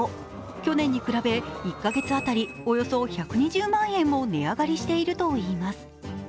去年に比べ１カ月当たりおよそ１２０万円も値上げしているといいます。